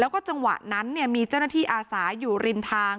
แล้วก็จังหวะนั้นมีเจ้าหน้าที่อาสาอยู่ริมทาง